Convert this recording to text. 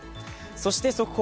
そして速報。